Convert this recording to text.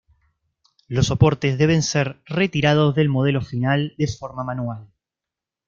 Los soportes deben ser retirados del modelo final de forma manual.